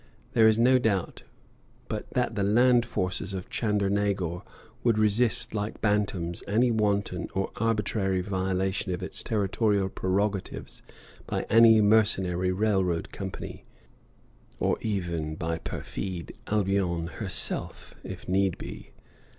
There is no doubt but that the land forces of Chandernagor would resist like bantams any wanton or arbitrary violation of its territorial prerogatives by any mercenary railroad company, or even by perfide Albion herself, if need be.